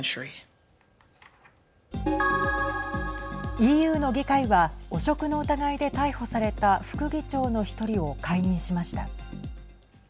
ＥＵの議会は汚職の疑いで逮捕された副議長の１人を解任しました。